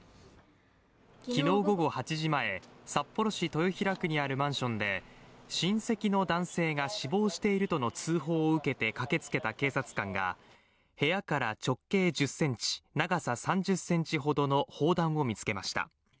昨日午後８時前、札幌市豊平区にあるマンションで親戚の男性が死亡しているとの通報を受けて駆けつけた警察官が部屋から直径１０ｃｍ、長さ３０ｃｍほどの砲弾を見つけました。